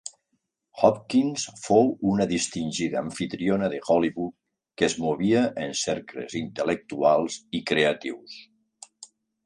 Hopkins fou una distingida amfitriona de Hollywood que es movia en cercles intel·lectuals i creatius.